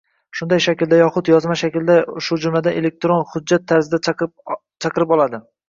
shunday shaklda yoxud yozma shaklda, shu jumladan elektron hujjat tarzida chaqirib oladi.